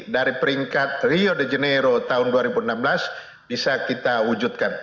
dari peringkat rio de janeiro tahun dua ribu enam belas bisa kita wujudkan